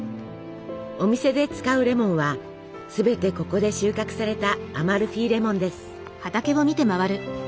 お店で使うレモンは全てここで収穫されたアマルフィレモンです。